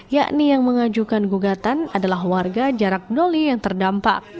yakni yang mengajukan gugatan adalah warga jarak doli yang terdampak